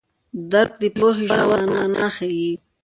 درک د پوهې ژوره مانا ښيي.